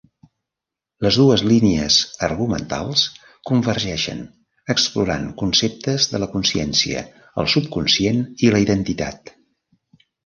Les dues línies argumentals convergeixen, explorant conceptes de la consciència, el subconscient i la identitat.